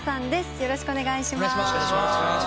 よろしくお願いします。